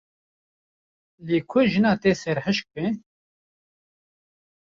Lê ku jina te serhişk be.